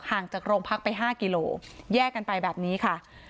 ห่างจากโรงพักไป๕กิโลแยกกันไปแบบนี้ค่ะ